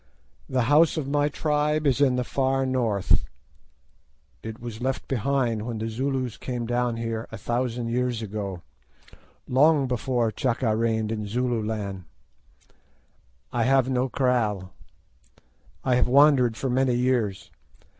The house of my tribe is in the far North; it was left behind when the Zulus came down here a 'thousand years ago,' long before Chaka reigned in Zululand. I have no kraal. I have wandered for many years.